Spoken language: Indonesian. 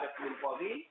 ke barat pimpori